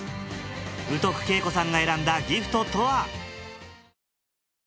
宇徳敬子さんが選んだギフトとは？